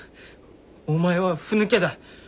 おお前はふぬけだ。